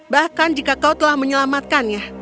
bahkan jika kau telah menyelamatkannya